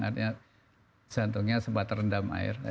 artinya jantungnya sempat terendam air